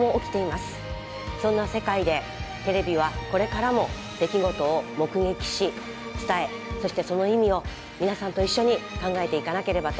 そんな世界でテレビはこれからも出来事を目撃し伝えそしてその意味を皆さんと一緒に考えていかなければと強く感じています。